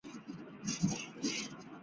朝鲜王朝的时期儒学者和政治人物。